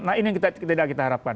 nah ini yang tidak kita harapkan